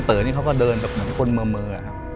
ก็เต๋อเนี้ยเขาก็เดินแบบเหมือนคนเมอร์เมอร์อะครับ